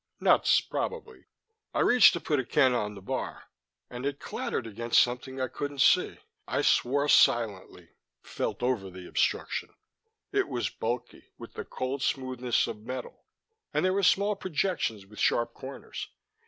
Nuts, probably. I reached to put a can on the bar and it clattered against something I couldn't see. I swore silently, felt over the obstruction. It was bulky, with the cold smoothness of metal, and there were small projections with sharp corners.